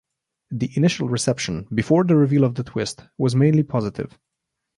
The initial reception before the reveal of the twist was mainly positive.